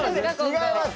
違います。